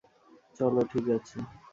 চলো, ঠিক আছে।